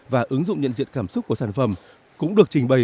và ứng dụng nhận diện cảm xúc của sản phẩm cũng được trình bày